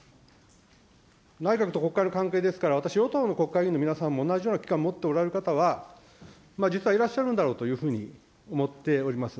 内閣と国会の関係ですから、私、与党の国会議員の皆さんも、同じような危機感を持っておられる方は、実はいらっしゃるんだろうというふうに思っております。